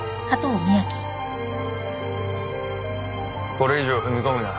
これ以上踏み込むな。